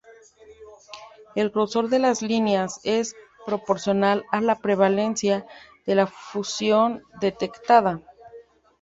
El grosor de las líneas es proporcional a la prevalencia de la fusión detectada.